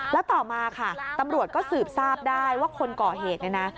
แล้วต่อมาค่ะตำรวจก็สืบทราบได้ว่าคนก่อเหตุเนี่ยนะ